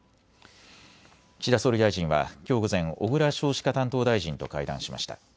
岸田総理大臣はきょう午前、小倉少子化担当大臣と会談しました。